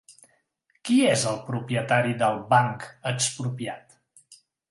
Qui és el propietari del Banc Expropiat?